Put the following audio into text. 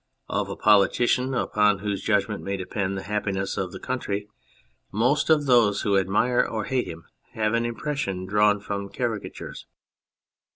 Of a politician upon whose judgment may depend the happiness of the country, most of those who admire or hate him have an impression drawn from caricatures.